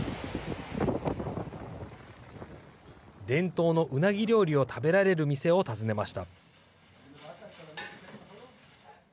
伝統のうなぎ料理を食べられる店を訪ねました。